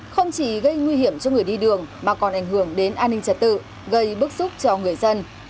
không chỉ gây nguy hiểm cho người đi đường mà còn ảnh hưởng đến an ninh trật tự gây bức xúc cho người dân